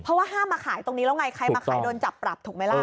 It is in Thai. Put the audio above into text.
เพราะว่าห้ามมาขายตรงนี้แล้วไงใครมาขายโดนจับปรับถูกไหมล่ะ